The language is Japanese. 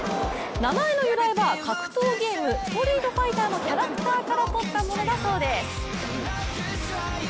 名前の由来は格闘ゲーム、「ストリートファイター」のキャラクターからとったものだそうです。